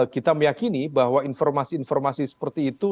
kita meyakini bahwa informasi informasi seperti itu